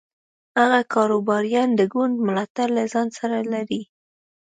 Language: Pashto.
هغه کاروباریان د ګوند ملاتړ له ځان سره لري.